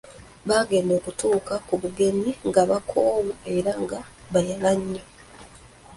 Baagenda okutuuka ku bugenyi, nga bakoowu era nga bayala nnyo.